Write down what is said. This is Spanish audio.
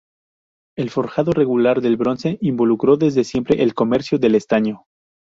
El forjado regular del bronce involucró desde siempre el comercio del estaño.